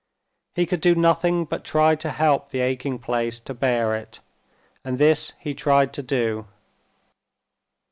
He could do nothing but try to help the aching place to bear it, and this he tried to do.